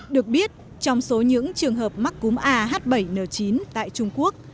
được biết trong số những trường hợp mắc cúm a h bảy n chín tại trung quốc